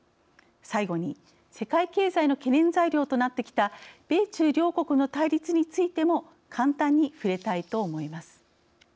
最後に世界経済の懸念材料となってきた米中両国の対立についても簡単に触れたいと思います。